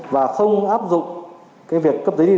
và không áp dụng việc cấp giấy đi đường